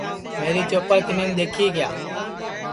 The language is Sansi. میری چوپل کینین دؔیکھی کیا